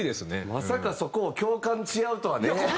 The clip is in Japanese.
まさかそこを共感し合うとはね。